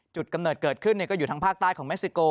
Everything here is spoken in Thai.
กำเนิดเกิดขึ้นก็อยู่ทางภาคใต้ของเม็กซิโก